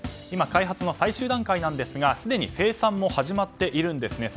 今、開発の最終段階なんですがすでに生産も始まっているんです。